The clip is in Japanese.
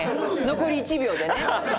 残り１秒でね。